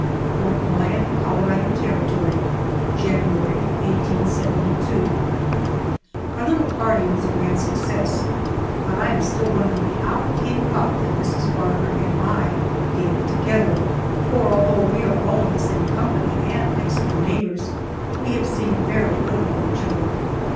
FORT LYON, COLORADO TERRITORY, January, 1872. OUR little party was a grand success, but I am still wondering how it came about that Mrs. Barker and I gave it together, for, although we are all in the same company and next door neighbors, we have seen very little of each other.